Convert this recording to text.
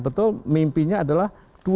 betul mimpinya adalah